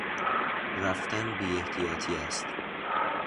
رفتن بیاحتیاطی است.